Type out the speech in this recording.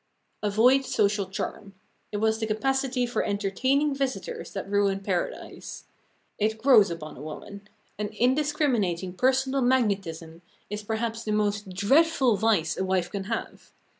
Avoid social charm. It was the capacity for entertaining visitors that ruined Paradise. It grows upon a woman. An indiscriminating personal magnetism is perhaps the most dreadful vice a wife can have.